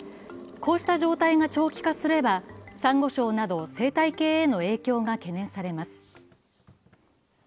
こうした状態が長期化すれば、さんご礁など生態系への影響が懸念されます。